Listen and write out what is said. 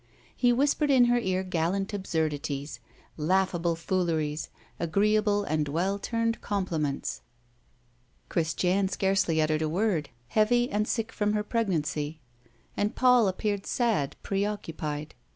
He whispered in her ear gallant absurdities, laughable fooleries, agreeable and well turned compliments. Christiane scarcely uttered a word, heavy and sick from her pregnancy. And Paul appeared sad, preoccupied.